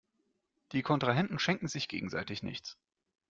Die Kontrahenten schenken sich gegenseitig nichts.